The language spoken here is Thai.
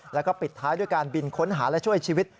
แล้วก็ปิดท้ายด้วยการบินค้นหาและช่วยชีวิต